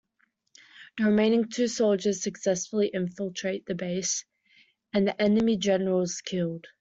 The remaining two soldiers successfully infiltrate the base, and the enemy general is killed.